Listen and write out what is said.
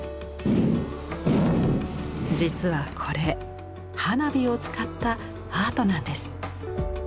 実はこれ花火を使ったアートなんです。